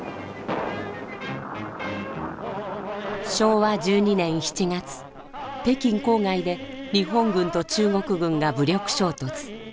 昭和１２年７月北京郊外で日本軍と中国軍が武力衝突。